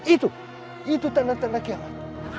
itu itu tanda tanda kiamat